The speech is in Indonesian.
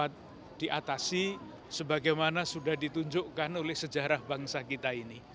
dapat diatasi sebagaimana sudah ditunjukkan oleh sejarah bangsa kita ini